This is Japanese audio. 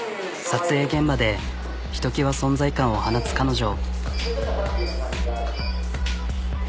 撮影現場でひときわ存在感を放つ彼女。